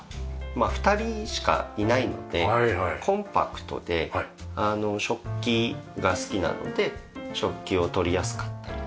まあ２人しかいないのでコンパクトで食器が好きなので食器を取りやすかったりとか。